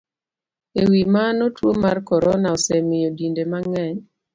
E wi mano, tuo mar corona osemiyo dinde mang'eny